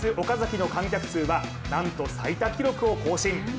岡崎の観客数は、なんと最多記録を更新。